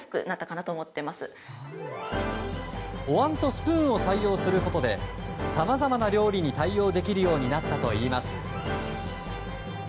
スプーンを採用することでさまざまな料理に対応できるようになったといいます。